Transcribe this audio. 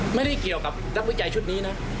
ไม่ได้เกี่ยวกับนักวิจัยชุดนี้นะ